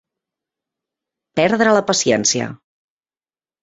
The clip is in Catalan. Perdre la paciència.